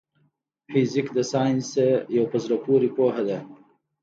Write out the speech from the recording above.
فزيک د ساينس يو په زړه پوري پوهه ده.